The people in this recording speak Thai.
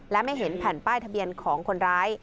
และไม่เห็นแผ่นป้ายทะเบียนของคนร้าย